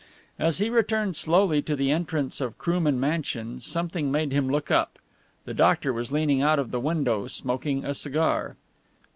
As he returned slowly to the entrance of Krooman Mansions something made him look up. The doctor was leaning out of the window smoking a cigar.